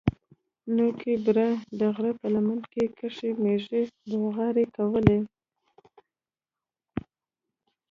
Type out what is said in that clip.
نوکي بره د غره په لمن کښې مېږې بوغارې کولې.